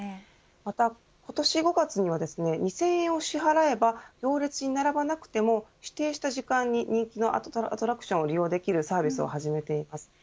また、今年５月には２０００円を支払えば行列に並ばなくても指定した時間に人気のアトラクションを利用できるサービスを始めています。